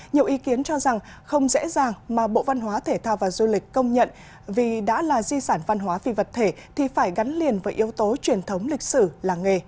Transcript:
nhiều ý kiến cho rằng không dễ dàng mà bộ văn hóa thể thao và du lịch công nhận vì đã là di sản văn hóa phi vật thể thì phải gắn liền với yếu tố truyền thống lịch sử làng nghề